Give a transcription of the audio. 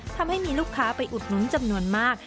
ทำให้มีลูกค้าไปอุดหนุนจำนวนมาก